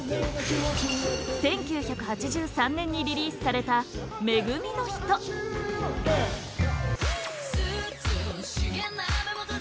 １９８３年にリリースされた「め組のひと」